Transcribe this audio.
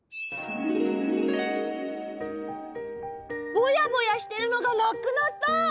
ぼやぼやしてるのがなくなった！